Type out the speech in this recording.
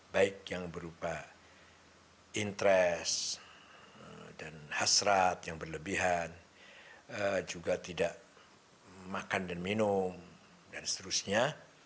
baik yang berupa interes dan hasrat yang berlebihan juga tidak makan dan minum dan seterusnya